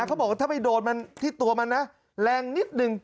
เขาบอกว่าถ้าไปโดนมันที่ตัวมันนะแรงนิดนึง